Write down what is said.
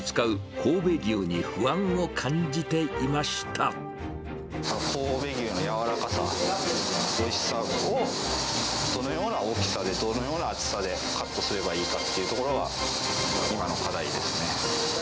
神戸牛の柔らかさやおいしさを、どのような大きさで、どのような厚さでカットすればいいかっていうところが、今の課題ですね。